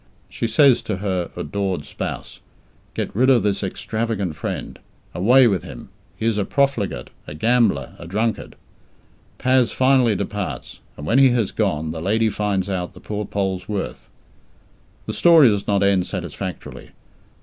She says to her adored spouse, "Get rid of this extravagant friend! Away with him! He is a profligate, a gambler! A drunkard!" Paz finally departs, and when he has gone, the lady finds out the poor Pole's worth. The story does not end satisfactorily.